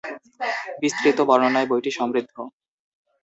বিস্তৃত বর্ণনায় বইটি সমৃদ্ধ।